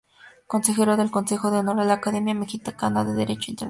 Consejero del Consejo de Honor de la Academia Mexicana de Derecho Internacional.